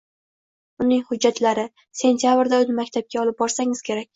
Uning hujjatlari. Sentyabrda uni maktabga olib borsangiz kerak.